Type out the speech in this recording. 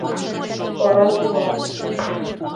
Орол улам.